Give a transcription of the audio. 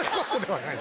はい。